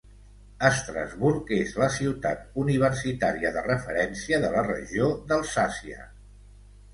Estrasburg és la ciutat universitària de referència de la regió d'Alsàcia.